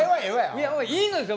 いやいいのです。